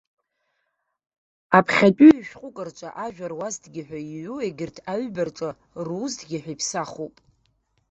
Аԥхьатәи ҩ-шәҟәык рҿы ажәа руазҭгьы ҳәа иҩу, егьырҭ аҩба рҿы рузҭгьы ҳәа иԥсахуп.